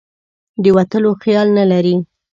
د وتلو خیال نه لري.